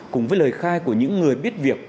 cùng với lời khai của những người biết việc